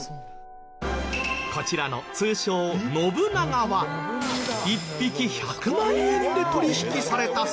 こちらの通称「信長」は１匹１００万円で取引されたそう。